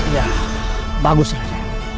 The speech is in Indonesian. ya bagus raden